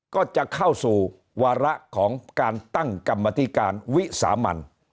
ก็จะเข้าสู่วาระของการตั้งกรรมธิการวิสามัน